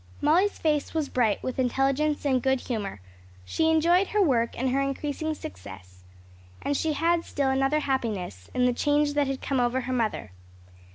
Molly's face was bright with intelligence and good humor. She enjoyed her work and her increasing success. And she had still another happiness in the change that had come over her mother.